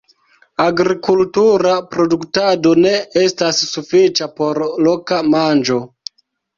Agrikultura produktado ne estas sufiĉa por loka manĝo.